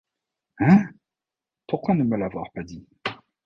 Hein ! pourquoi ne me l’avoir pas dit ?